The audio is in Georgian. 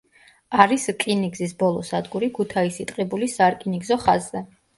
არის რკინიგზის ბოლო სადგური ქუთაისი-ტყიბულის სარკინიგზო ხაზზე.